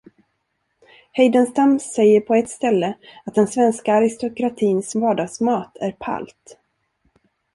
Heidenstam säger på ett ställe att den svenska aristokratins vardagsmat är palt.